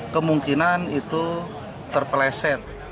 kemungkinan itu terpeleset